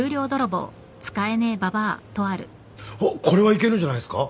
あっこれはいけるんじゃないですか？